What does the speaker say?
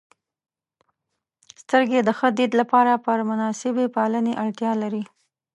• سترګې د ښه دید لپاره پر مناسبې پالنې اړتیا لري.